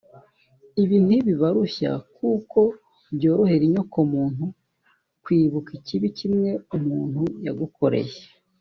Ibi ntibibarushya kuko byorohera inyoko muntu kwibuka ikibi kimwe umuntu yagukoreye